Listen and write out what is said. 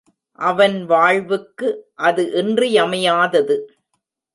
அவன் வாழ்வுக்கு அது இன்றியமையாதது.